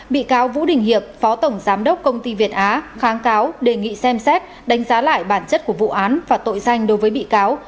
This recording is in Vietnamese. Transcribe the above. bị cáo vũ đình hiệp phó tổng giám đốc công ty việt á kháng cáo đề nghị xem xét đánh giá lại bản chất của vụ án và tội danh đối với bị cáo